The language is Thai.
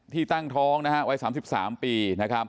ที่ตั้งท้องไว้๓๓ปี